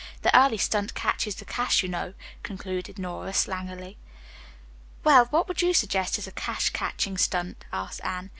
The early stunt catches the cash, you know," concluded Nora slangily. "Well, what would you suggest as a cash catching stunt?" asked Anne.